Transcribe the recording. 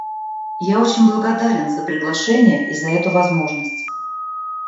Я очень благодарен за приглашение и за эту возможность.